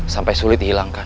sampai sulit dihilangkan